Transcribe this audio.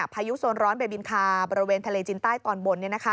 พายุโซนร้อนเบบินคาบริเวณทะเลจินใต้ตอนบน